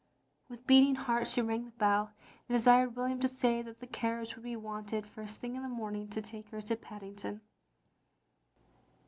With beating heart she rang the bell, and desired William to say that the carriage would be wanted first thing in the morning to take her to Paddington.